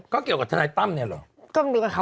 ก็เกี่ยวกับทนายตั้มเนี่ยเหรอ